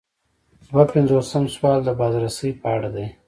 دوه پنځوسم سوال د بازرسۍ په اړه دی.